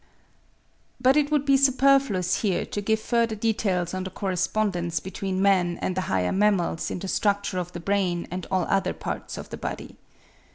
But it would be superfluous here to give further details on the correspondence between man and the higher mammals in the structure of the brain and all other parts of the body.